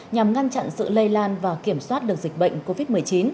nhằm ngăn chặn sự lây lan và kiểm soát được dịch bệnh covid một mươi chín